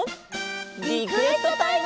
リクエストタイム！